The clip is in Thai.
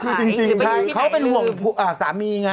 หรือไปอยู่ที่ไหนหรือจริงใช่เขาเป็นห่วงสามีไง